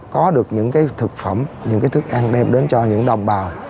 có được những cái thực phẩm những thức ăn đem đến cho những đồng bào